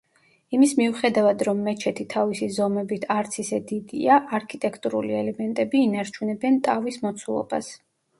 იმის მიუხედავად, რომ მეჩეთი თავისი ზომებით არც ისე დიდია, არქიტექტურული ელემენტები ინარჩუნებენ ტავის მოცულობას.